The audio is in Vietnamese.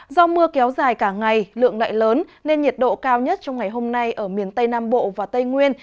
do mưa kéo dài cả ngày lượng lại lớn nên nhiệt độ cao nhất trong ngày hôm nay ở miền tây nam bộ và tây nguyên